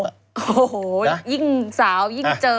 โอ้โหยิ่งสาวยิ่งเจอ